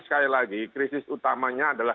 sekali lagi krisis utamanya adalah